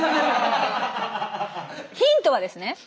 ヒントはですね